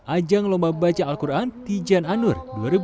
ajang lomba baca al quran tijan anur